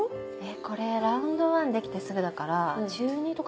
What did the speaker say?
これラウンドワン出来てすぐだから中２とか？